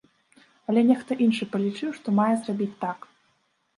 Але нехта іншы палічыў, што мае зрабіць так.